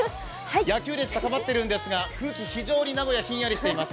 野球熱が高まっているんですが、名古屋は空気非常にひんやりしています。